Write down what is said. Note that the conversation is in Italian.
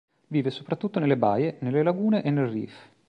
Vive soprattutto nelle baie, nelle lagune e nel reef.